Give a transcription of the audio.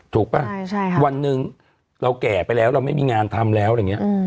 ป่ะวันหนึ่งเราแก่ไปแล้วเราไม่มีงานทำแล้วอะไรอย่างนี้